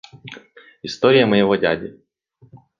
История моего дяди.